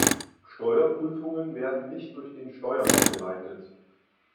Steuerprüfungen werden nicht durch den Steuermann geleitet.